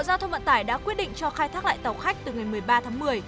bộ giao thông vận tải đã quyết định cho khai thác lại tàu khách từ ngày một mươi ba tháng một mươi